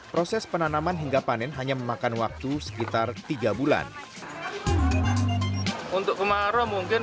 proses penanaman hingga panen hanya memakan waktu sekitar tiga bulan untuk kemarau mungkin